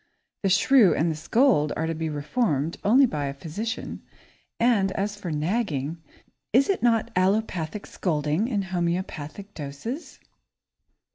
The shrew and the scold are to be reformed only by a physician, and as for nagging, is it not allopathic scolding in homeopathic doses?